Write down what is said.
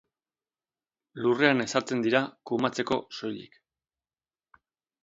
Lurrean ezartzen dira kumatzeko soilik.